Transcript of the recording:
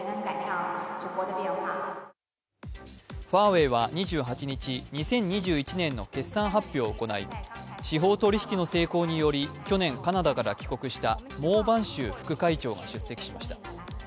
ファーウェイは２８日、２０２１年の決算発表を行い司法取引の成功により去年カナダから帰国した孟晩舟副会長が出席しました。